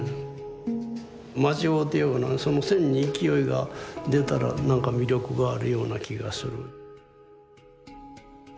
間違うてようがその線に勢いが出たらなんか魅力があるような気がする。